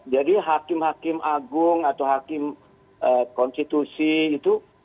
jadi hakim hakim agung atau hakim konstitusi itu